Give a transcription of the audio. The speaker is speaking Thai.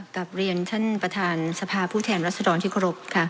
กับเรียนท่านประธานสภาพูดแทนรัฐสดรที่โครบ